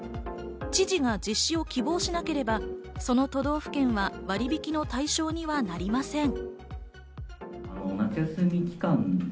知事が実施を希望しなければ、その都道府県は割引の対象にはなりません。